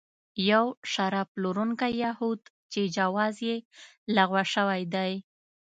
یو شراب پلورونکی یهود چې جواز یې لغوه شوی دی.